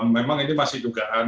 memang ini masih dugaan